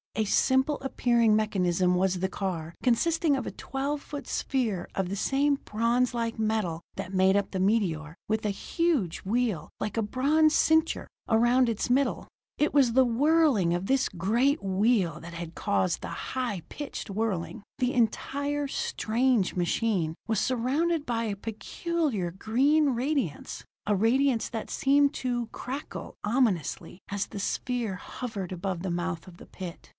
A simple appearing mechanism was the car, consisting of a twelve foot sphere of the same bronze like metal that made up the meteor, with a huge wheel, like a bronze cincture, around its middle. It was the whirling of this great wheel that had caused the high pitched whirring. The entire, strange machine was surrounded by a peculiar green radiance, a radiance that seemed to crackle ominously as the sphere hovered over the mouth of the pit.